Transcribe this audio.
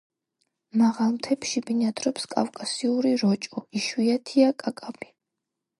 მაღალ მთებში ბინადრობს კავკასიური როჭო, იშვიათია კაკაბი.